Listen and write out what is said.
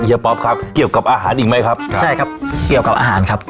ป๊อปครับเกี่ยวกับอาหารอีกไหมครับครับใช่ครับเกี่ยวกับอาหารครับ